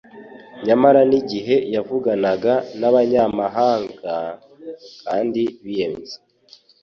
Nyamara n'igihe yavuganaga n'abanyamahane kandi biyenza,